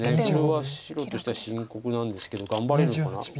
これは白としては深刻なんですけど頑張れるかな。